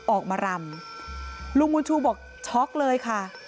ออกมารำลุงบุญชูบอกช็อกเลยค่ะ